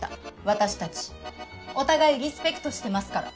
私たちお互いリスペクトしてますから。